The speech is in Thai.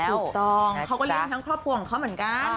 ถูกต้องเขาก็เลี้ยงทั้งครอบครัวของเขาเหมือนกัน